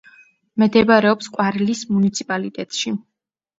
მდებარეობს ყვარლის მუნიციპალიტეტში.